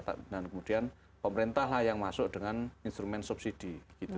dan kemudian pemerintah yang masuk dengan instrumen subsidi